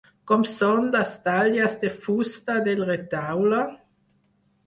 Com són les talles de fusta del retaule?